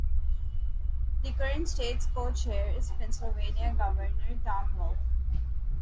The current States' Co-Chair is Pennsylvania Governor Tom Wolf.